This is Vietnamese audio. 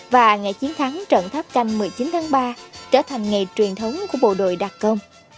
và ngày chiến thắng trận tháp canh một mươi chín tháng ba trở thành nghề truyền thống của bộ đội đặc công